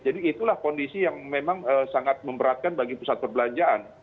jadi itulah kondisi yang memang sangat memberatkan bagi pusat perbelanjaan